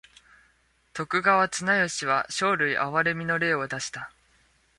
徳川綱吉は生類憐みの令を出した。